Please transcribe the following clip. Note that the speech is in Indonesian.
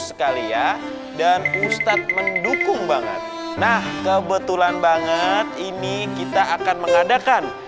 sekali ya dan ustadz mendukung banget nah kebetulan banget ini kita akan mengadakan